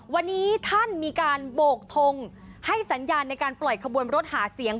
วันนี้ท่านมีการโบกทงให้สัญญาณในการปล่อยขบวนรถหาเสียง